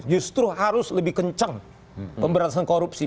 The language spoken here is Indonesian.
justru harus lebih kencang pemberantasan korupsi